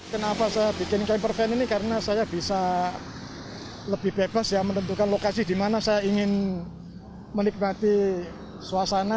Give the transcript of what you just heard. kenapa saya bikin camper van ini karena saya bisa lebih bebas ya menentukan lokasi di mana saya ingin menikmati suasana